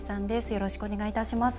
よろしくお願いします。